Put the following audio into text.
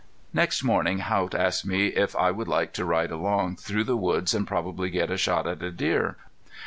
Next morning Haught asked me if I would like to ride around through the woods and probably get a shot at a deer.